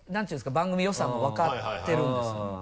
番組予算も分かってるんですよ。